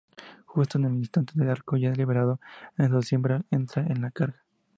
Justo en ese instante el arco, ya liberado de su cimbra, "entra en carga".